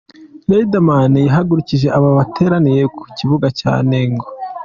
Riderman yahagurukije abari bateraniye ku kibuga cya Nengo.